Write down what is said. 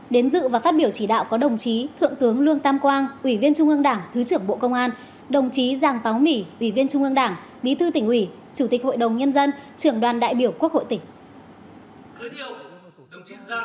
đến dự và phát biểu chỉ đạo có đồng chí thượng tướng lương tam quang ủy viên trung ương đảng thứ trưởng bộ công an đồng chí giàng báo mỉ ủy viên trung ương đảng bí thư tỉnh ủy chủ tịch hội đồng nhân dân trưởng đoàn đại biểu quốc hội tỉnh